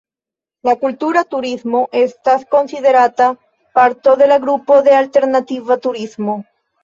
La kultura turismo estas konsiderata parto de la grupo de "alternativa turismo".